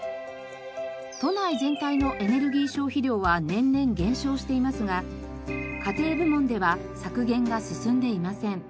都内全体のエネルギー消費量は年々減少していますが家庭部門では削減が進んでいません。